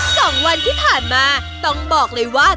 สองวันที่ผ่านมาต้องบอกเลยว่า